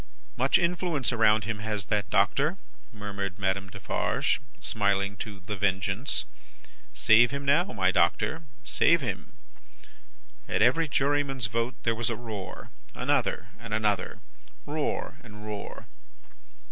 "Much influence around him, has that Doctor?" murmured Madame Defarge, smiling to The Vengeance. "Save him now, my Doctor, save him!" At every juryman's vote, there was a roar. Another and another. Roar and roar.